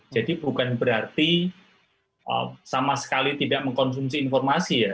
jadi bukan berarti sama sekali tidak mengkonsumsi informasi ya